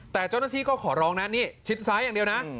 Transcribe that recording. แต่เจ้าหน้าที่ก็ขอร้องนะนี่ชิดซ้ายอย่างเดียวนะ